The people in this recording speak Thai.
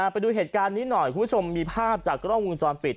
ไปดูเหตุการณ์นี้หน่อยคุณผู้ชมมีภาพจากกล้องวงจรปิด